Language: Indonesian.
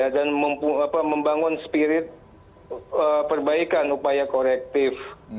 dan membangun spirit perbaikan upaya korektif